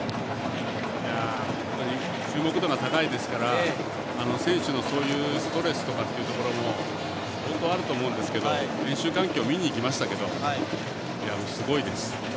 注目度が高いですから選手のそういうストレスというところも相当あると思いますけど練習環境を見に行きましたけどすごいです。